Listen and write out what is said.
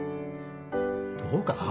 どうかな。